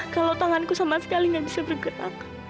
kalau tanganku sama sekali gak bisa bergerak